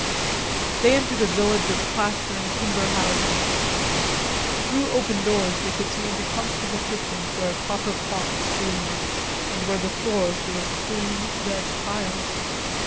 They entered a village of plaster and timber houses. Through open doors they could see into comfortable kitchens where copper pots gleamed and where the floors were of clean red tiles.